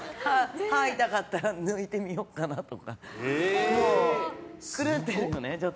歯痛かったら抜いてみようかなとか。